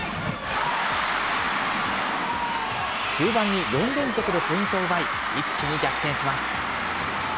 中盤に４連続でポイントを奪い、一気に逆転します。